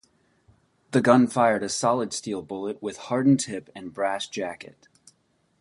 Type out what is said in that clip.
The gun fired a solid steel bullet with hardened tip and brass jacket.